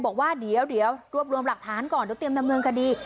บอกว่าเดี๋ยวรวบรวมหลักฐานก่อนเดี๋ยวเตรียมดำเนินคดี